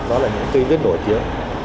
đó là những cây vết nổi tiếng